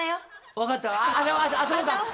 分かった。